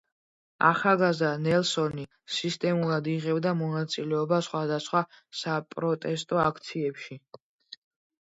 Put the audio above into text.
ახალგაზრდა ნელსონი სისტემატურად იღებდა მონაწილეობას სხვადასხვა საპროტესტო აქციებში.